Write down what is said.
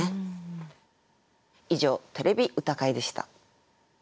以上「てれび歌会」でした。